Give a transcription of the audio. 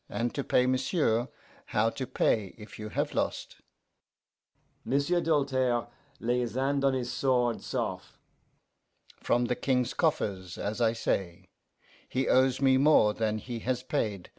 'And to pay, m'sieu', how to pay if you have lost?' M'sieu' Doltaire lay his hand on his sword sof'. 'From the King's coffers, as I say; he owes me more than he has paid.